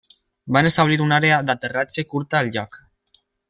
Van establir una àrea d'aterratge curta al lloc.